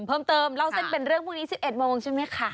เพิ่มเติมเล่าเส้นเป็นเรื่องพรุ่งนี้๑๑โมงใช่ไหมคะ